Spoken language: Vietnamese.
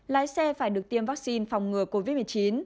lái xe phải được tiêm vaccine phòng ngừa covid một mươi chín